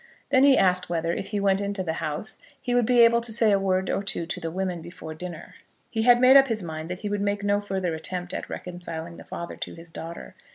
Then he asked whether, if he went into the house, he would be able to say a word or two to the women before dinner. He had made up his mind that he would make no further attempt at reconciling the father to his daughter.